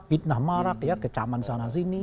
fitnah marah kecaman sana sini